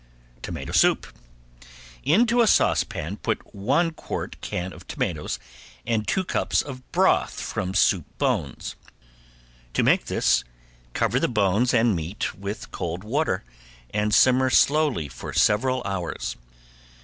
~TOMATO SOUP~ Into a saucepan put one quart can of tomatoes and two cups of broth from soup bones. To make this cover the bones and meat with cold water and simmer slowly for several hours.